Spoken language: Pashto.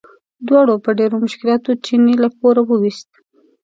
دواړو په ډېرو مشکلاتو چیني له کوره وویست.